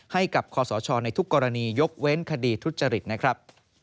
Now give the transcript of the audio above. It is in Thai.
ให้กับคศในทุกกรณียกเว้นคดีทุจริตนะครับ